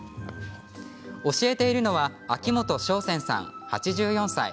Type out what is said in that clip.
教えているのは秋元正川さん８４歳。